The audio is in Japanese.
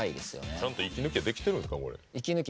ちゃんと息抜きできてるんですか？